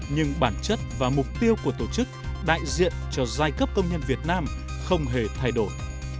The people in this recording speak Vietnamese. nhưng bản chất và mục tiêu của tổ chức đại diện cho giai cấp công nhân việt nam không hề thay đổi